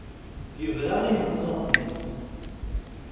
Yebra i yimeẓẓuɣen-is.